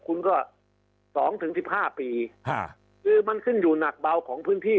คุณก็สองถึงสิบห้าปีคือมันขึ้นอยู่หนักเบาของพื้นที่